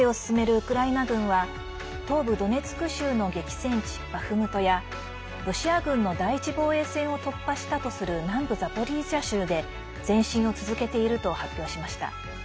ウクライナ軍は東部ドネツク州の激戦地バフムトやロシア軍の第１防衛線を突破したとする南部ザポリージャ州で前進を続けていると発表しました。